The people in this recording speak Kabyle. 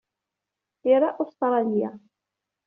Ira Ustṛalya.